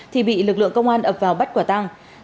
thì bị lực lượng công an ập vào bắt quả tăng